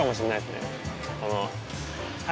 この。